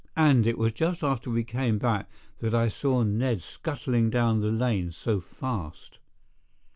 And it was just after we came back that I saw Ned scuttling down the lane so fast."